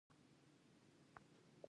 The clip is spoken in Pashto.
موږ په سطحي کارونو لګیا یو.